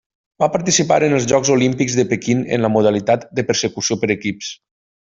Va participar en els Jocs Olímpics de Pequín en la modalitat de Persecució per equips.